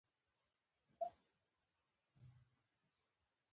په افقي ګولایي کې د سرک عرض زیاتیږي